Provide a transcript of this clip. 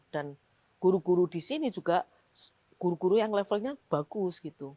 dan guru guru di sini juga guru guru yang levelnya bagus